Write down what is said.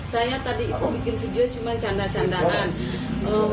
saya tadi itu bikin video cuma canda candaan